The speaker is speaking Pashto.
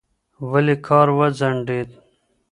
ولې کار وځنډېد؟